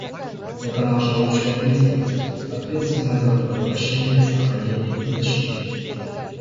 Это наша общая ответственность, — ответственность за предотвращение, сохранение и защиту.